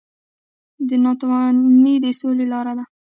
نانواتې د سولې لاره ده